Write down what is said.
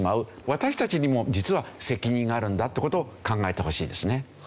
私たちにも実は責任があるんだという事を考えてほしいですね。